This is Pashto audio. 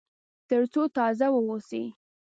تر څو تازه واوسي.